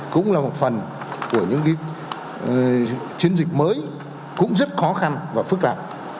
cũng là một phần của những chiến dịch mới cũng rất khó khăn và phức tạp